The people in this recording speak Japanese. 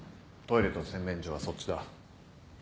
トイレと洗面所はそっちだ。